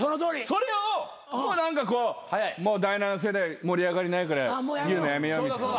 それを何か第７世代盛り上がりないから言うのやめようみたいな。